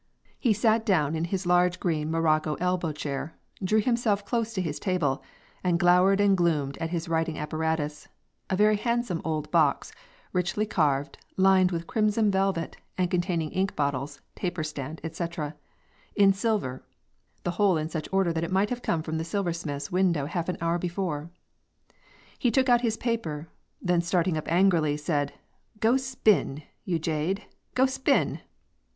He sat down in his large green morocco elbow chair, drew himself close to his table, and glowered and gloomed at his writing apparatus, "a very handsome old box, richly carved, lined with crimson velvet, and containing ink bottles, taper stand, etc., in silver, the whole in such order that it might have come from the silversmith's window half an hour before." He took out his paper, then starting up angrily, said, "'Go spin, you jade, go spin.'